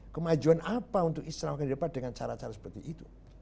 kemajuan apa untuk islam akan didapat dengan cara cara seperti itu